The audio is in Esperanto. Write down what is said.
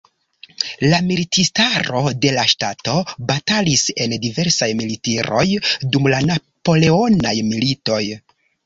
La militistaro de la ŝtato batalis en diversaj militiroj dum la Napoleonaj Militoj.